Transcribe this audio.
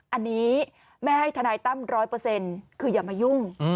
อันนี้แม่ให้ทนายตั้ม๑๐๐คืออย่ามายุ่ง